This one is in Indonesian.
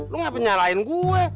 lu gak penyalahin gue